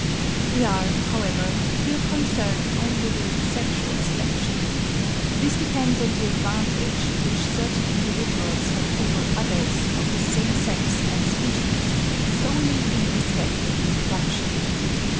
We are, however, here concerned only with sexual selection. This depends on the advantage which certain individuals have over others of the same sex and species solely in respect of reproduction.